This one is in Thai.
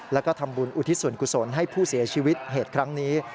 แล้วก็ทำบุญอุทิศส่วนกุศลให้ผู้เสียชีวิตเหตุครั้งนี้